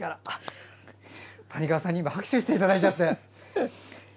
あ、谷川さんに拍手していただいちゃって。